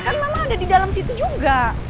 kan memang ada di dalam situ juga